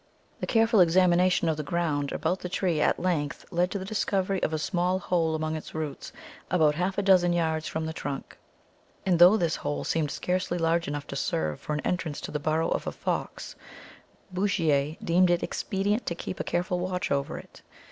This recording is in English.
The careful examination of the ground about the tree at length led to the discovery of a small hole among its roots, about half a dozen yards from the trunk, and though this hole seemed scarcely large enough to serve for an entrance to the burrow of a fox, Bouchier deemed it expedient to keep a careful watch over it.